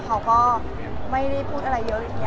เค้าก็ไม่ได้พูดอะไรเยอะแบบนี้เลย